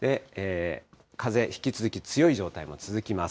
風、引き続き強い状態も続きます。